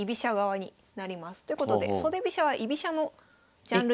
ということで袖飛車は居飛車のジャンルに。